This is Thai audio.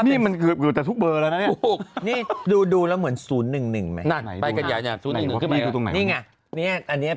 เกือบจะทุกเบอร์แล้วเนี่ยดูแล้วเหมือนศูนย์๑๑ไปกันอย่างนี้